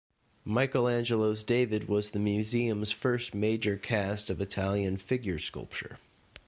Michelangelo's David was the museum's first major cast of Italian figure sculpture.